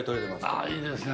あいいですね。